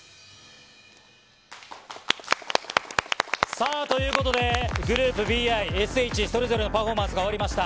さあ、ということでグループＢｉ、ＳＨ、それぞれのパフォーマンスが終わりました。